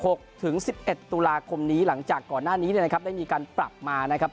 ถึงสิบเอ็ดตุลาคมนี้หลังจากก่อนหน้านี้เนี่ยนะครับได้มีการปรับมานะครับ